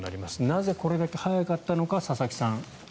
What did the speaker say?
なぜこれだけ早かったのか佐々木さん。